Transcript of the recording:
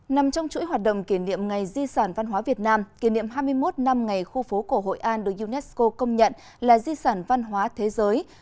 nằm trong chuỗi hoạt động kỷ niệm ngày di sản văn hóa việt nam kỷ niệm hai mươi một năm ngày khu phố cổ hội an được unesco công nhận là di sản văn hóa thế giới